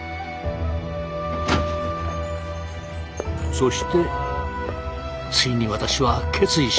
そしてついに私は決意します。